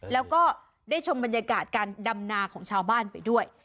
แล้วก็ได้ชมบรรยากาศการดำนาของชาวบ้านไปด้วย